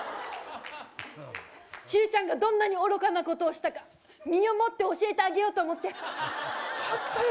周ちゃんがどんなに愚かなことをしたか身をもって教えてあげようと思って何だよ